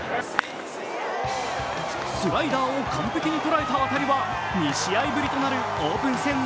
スライダーを完璧に捉えた当たりは２試合ぶりとなるオープン戦